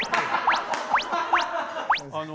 あの。